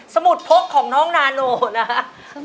สมุดพกของน้องนาโนนะครับ